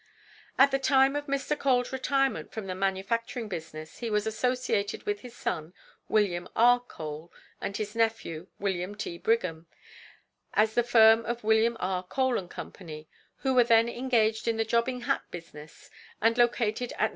At the time of Mr. Cole's retirement from the manufacturing business he was associated with his son, Wm. R. Cole, and his nephew, Wm. T. Brigham, as the firm of Wm. R. Cole & Co., who were then engaged in the jobbing hat business and located at No.